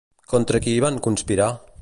Contra qui van conspirar?